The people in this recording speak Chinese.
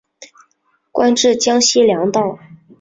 官至江西粮道。